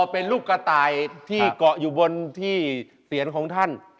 เป็นลูกกระต่ายที่เกาะอยู่บนที่เสียนของท่าน